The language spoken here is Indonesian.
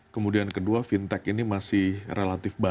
kemudian kedua fintech ini masih relatif baik